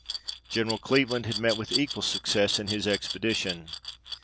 General Cleveland had met with equal success in his expedi tion.